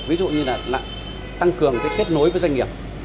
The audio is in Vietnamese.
ví dụ như là tăng cường kết nối với doanh nghiệp